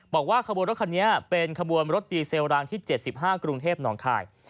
บอกว่าขบวนรถคันนี้เป็นขบวนรถดีเซลรางที่๗๕กรุงเทพหนองคาย